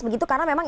begitu karena memang